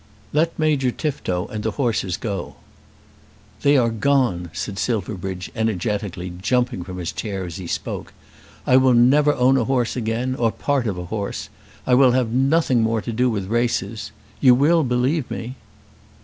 "Let Major Tifto and the horses go." "They are gone," said Silverbridge energetically, jumping from his chair as he spoke. "I will never own a horse again, or a part of a horse. I will have nothing more to do with races. You will believe me?"